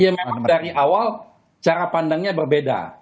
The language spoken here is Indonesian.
ya memang dari awal cara pandangnya berbeda